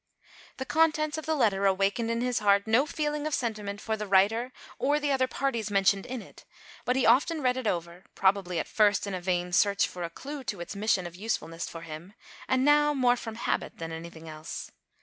The contents of the letter awakened, in his heart, no feeling of senti ment for the writer or the other parties mentioned in it, but he often read it over, probably, at first, in a vain search for a clue to its mission of use fulness for him, and now, more from habit than anything else.